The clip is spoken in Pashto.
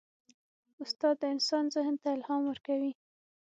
استاد د انسان ذهن ته الهام ورکوي.